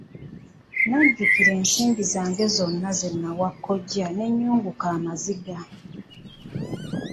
Nnajjukira ensimbi zange zonna ze nawa kkojja ne nnyunguka amaziga.